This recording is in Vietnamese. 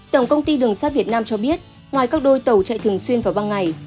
tổng công ty đường sắt việt nam cho biết ngoài các đôi tàu chạy thường xuyên vào ban ngày